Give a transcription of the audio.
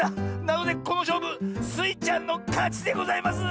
なのでこのしょうぶスイちゃんのかちでございます！